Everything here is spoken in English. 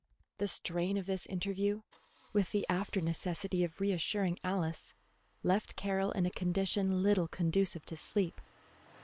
The strain of this interview, with the after necessity of reassuring Alice, left Carroll in a condition little conducive to sleep.